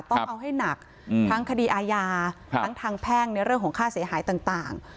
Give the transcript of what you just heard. ต้องเอาให้หนักทั้งคดีอาญาทั้งทางแพ่งในเรื่องของค่าเสียหายต่าง